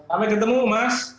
sampai ketemu mas